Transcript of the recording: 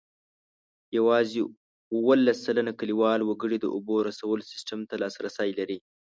یوازې اوولس سلنه کلیوال وګړي د اوبو رسولو سیسټم ته لاسرسی لري.